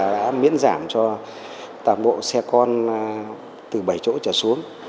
đã miễn giảm cho toàn bộ xe con từ bảy chỗ trở xuống